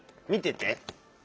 見てて。